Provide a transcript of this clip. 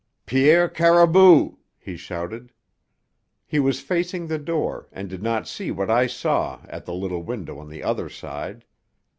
"Pierre Caribou!" he shouted. He was facing the door and did not see what I saw at the little window on the other side.